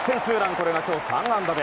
これが今日３安打目。